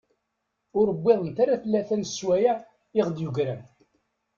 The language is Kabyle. Ur wwiḍent ara tlata n sswayeε i ɣ-d-yegran.